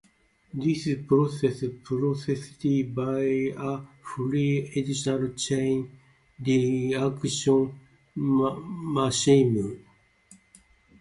This process proceeds by a free radical chain reaction mechanism.